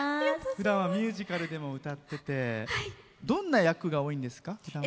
普段はミュージカルでも歌っててどんな役が多いんですか？